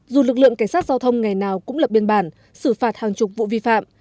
dù lực lượng cảnh sát giao thông ngày nào cũng lập biên bản xử phạt hàng chục vụ vi phạm